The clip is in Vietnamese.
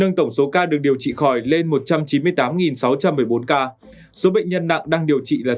nâng tổng số ca được điều trị khỏi lên một trăm chín mươi tám sáu trăm một mươi bốn ca số bệnh nhân nặng đang điều trị là sáu một trăm bốn mươi sáu ca